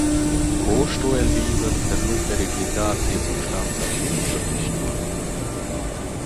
Co sto el viver per nu periclitar sia substanza a lunga vista?